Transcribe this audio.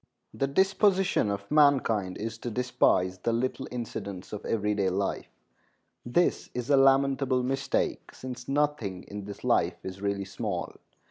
The disposition of mankind is to despise the little incidents of every day life. This is a lamentable mistake, since nothing in this life is really small.